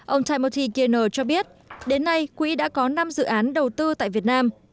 ông timothy gaynor cho biết đến nay quỹ đã có năm dự án đầu tư tại việt nam